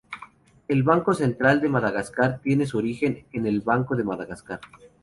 El Banco Central de Madagascar tiene su origen en el Banco de Madagascar.